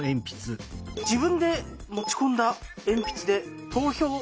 「自分で持ち込んだ鉛筆で投票」。